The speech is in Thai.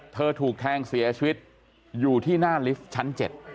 ถูกแทงเสียชีวิตอยู่ที่หน้าลิฟท์ชั้น๗